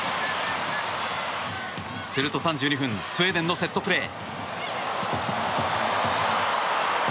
すると３２分スウェーデンのセットプレー。